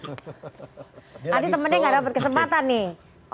jadi temennya nggak dapat kesempatan nih